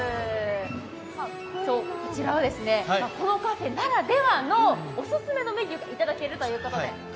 こちらは、このカフェならではのオススメのメニューがいただけるということで。